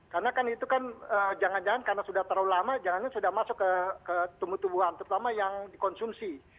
karena kan itu kan jangan jangan karena sudah terlalu lama jangan jangan sudah masuk ke tumbuh tumbuhan terutama yang dikonsumsi